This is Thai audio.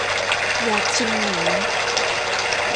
อยากชิมไหม